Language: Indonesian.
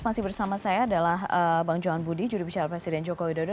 masih bersama saya adalah bang johan budi juri bicara presiden joko widodo